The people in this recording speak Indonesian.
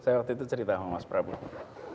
saya waktu itu cerita sama mas prabowo